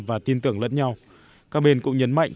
và tin tưởng lẫn nhau các bên cũng nhấn mạnh